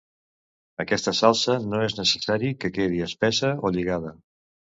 Aquesta salsa no és necessari que quedi espessa o lligada